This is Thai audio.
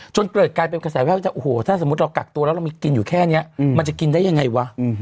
จนเกิดกลายเป็นกระแสภาพว่าโอ้โหถ้าสมมุติเรากักตัวแล้วเรามีกินอยู่แค่นี้มันจะกินได้ยังไงวะ